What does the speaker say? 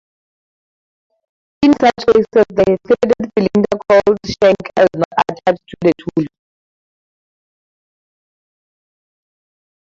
In such cases the threaded cylinder called shank is not attached to the tool.